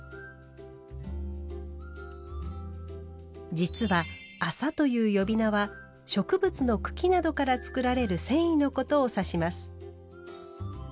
実は「麻」という呼び名は植物の茎などから作られる繊維のことを指します。